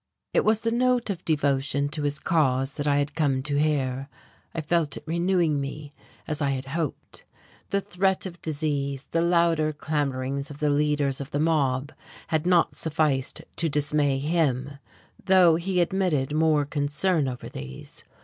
It was the note of devotion to his cause that I had come to hear: I felt it renewing me, as I had hoped. The threat of disease, the louder clamourings of the leaders of the mob had not sufficed to dismay him though he admitted more concern over these.